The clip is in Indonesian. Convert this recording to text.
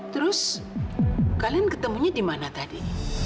terus kalian ketemunya di mana tadi